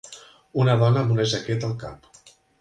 Una dona amb una jaqueta al cap.